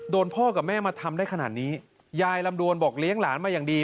พ่อกับแม่มาทำได้ขนาดนี้ยายลำดวนบอกเลี้ยงหลานมาอย่างดี